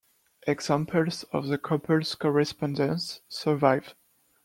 Examples of the couple's correspondence survive.